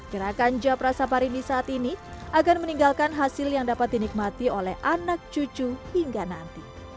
gerakan japra saparini saat ini akan meninggalkan hasil yang dapat dinikmati oleh anak cucu hingga nanti